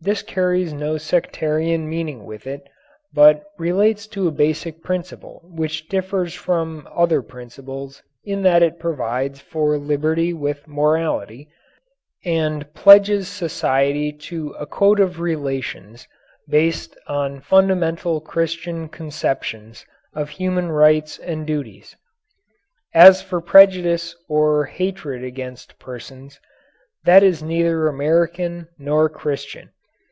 This carries no sectarian meaning with it, but relates to a basic principle which differs from other principles in that it provides for liberty with morality, and pledges society to a code of relations based on fundamental Christian conceptions of human rights and duties. As for prejudice or hatred against persons, that is neither American nor Christian.